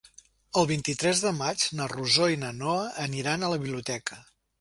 El vint-i-tres de maig na Rosó i na Noa aniran a la biblioteca.